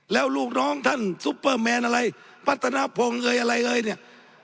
แล้วลูกน้องท่านซุปเปอร์แมนอะไรพัฒนาพงศ์เอ่ยอะไรเอ่ยเนี่ย